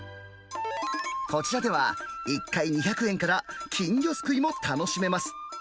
こちらでは、１回２００円から金魚すくいも楽しめます。